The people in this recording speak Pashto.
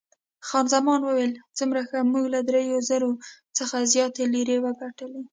خان زمان وویل، څومره ښه، موږ له دریو زرو څخه زیاتې لیرې وګټلې.